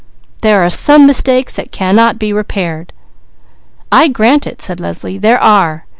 "There are some mistakes that cannot be repaired!" "I grant it," said Leslie. "There are!